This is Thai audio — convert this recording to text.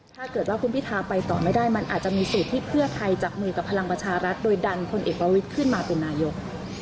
ถ้าเกิดว่าคุณพิทาไปต่อไม่ได้มันอาจจะมีสูตรที่เพื่อไทยจับมือกับพลังประชารัฐโดยดันพลเอกประวิทย์ขึ้นมาเป็นนายก